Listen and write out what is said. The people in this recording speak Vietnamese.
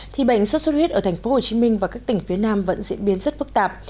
thì bệnh sốt xuất huyết ở tp hcm và các tỉnh phía nam vẫn diễn biến rất phức tạp